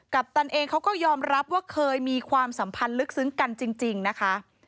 ปตันเองเขาก็ยอมรับว่าเคยมีความสัมพันธ์ลึกซึ้งกันจริงนะคะ